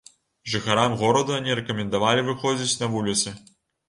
Жыхарам горада не рэкамендавалі выходзіць на вуліцы.